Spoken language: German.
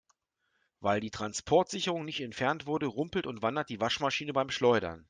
Weil die Transportsicherung nicht entfernt wurde, rumpelt und wandert die Waschmaschine beim Schleudern.